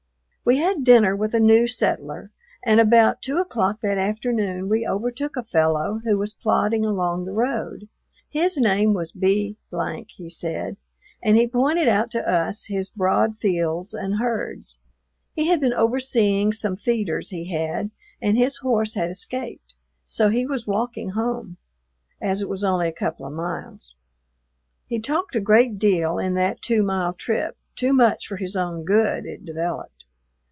We had dinner with a new settler, and about two o'clock that afternoon we overtook a fellow who was plodding along the road. His name was B , he said, and he pointed out to us his broad fields and herds. He had been overseeing some feeders he had, and his horse had escaped, so he was walking home, as it was only a couple of miles. He talked a great deal in that two mile trip; too much for his own good, it developed.